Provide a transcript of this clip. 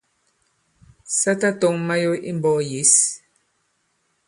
Sa tatɔ̄ŋ mayo i mbɔ̄k yěs.